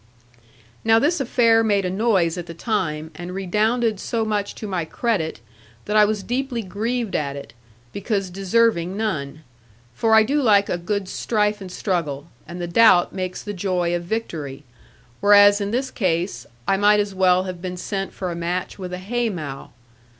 Now this affair made a noise at the time, and redounded so much to my credit, that I was deeply grieved at it, because deserving none. For I do like a good strife and struggle; and the doubt makes the joy of victory; whereas in this case, I might as well have been sent for a match with a hay mow.